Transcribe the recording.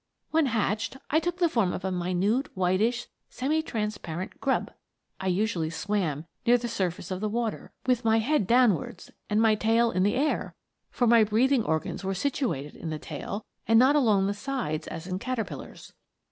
When hatched, I took the form of a minute, whitish, semi transparent grub. I 150 METAMORPHOSES. usually swam near the surface of the water, with my head downwards and my tail in the air for my breathing organs were situated in the tail, and not along the sides, as in caterpillars.